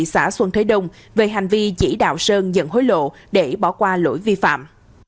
xã xuân thế đông về hành vi chỉ đạo sơn nhận hối lộ để bỏ qua lỗi vi phạm